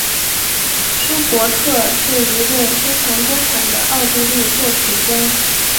舒伯特是一位非常多产的奥地利作曲家。